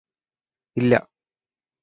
ഇല്ല